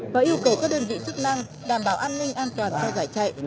và yêu cầu các đơn vị chức năng đảm bảo an ninh an toàn cho giải chạy